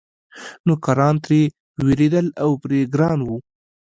نوکران ترې وېرېدل او پرې ګران وو.